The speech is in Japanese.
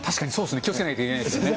気をつけなきゃいけないですね。